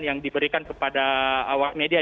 yang diberikan kepada awak media